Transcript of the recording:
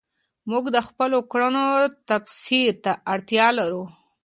موږ د خپلو کړنو تفسیر ته اړتیا لرو.